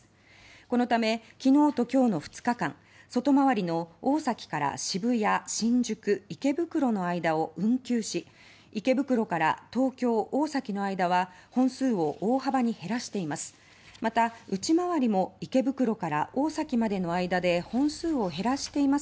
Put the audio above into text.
このため昨日と今日の２日間外回りの大崎から渋谷新宿、池袋の間を運休し池袋から東京大崎の間は本数を大幅に減らしています。